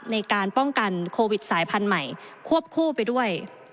ในการป้องกันโควิดสายพันธุ์ใหม่ควบคู่ไปด้วย